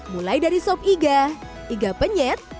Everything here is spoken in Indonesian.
mulai dari sop iga iga penyet